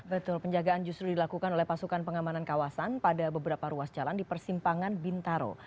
betul penjagaan justru dilakukan oleh pasukan pengamanan kawasan pada beberapa ruas jalan di persimpangan bintaro